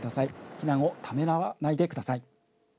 避難をためらわないでください。